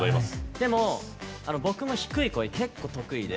でも、僕も低い声が結構得意で。